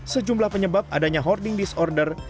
sejumlah penyebab adanya hoarding disorder